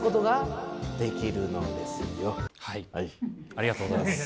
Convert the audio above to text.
ありがとうございます。